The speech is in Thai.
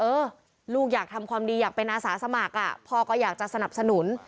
เออลูกอยากทำความดีอยากเป็นอาสาสมัครพ่อก็อยากจะสนับสนุน